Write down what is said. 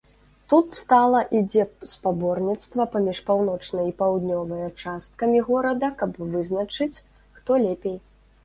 Тут стала ідзе спаборніцтва паміж паўночнай і паўднёвая часткамі горада, каб вызначыць, хто лепей.